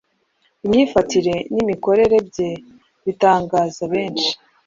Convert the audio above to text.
Imyifatire n’imikorere bye batangazaga benshi,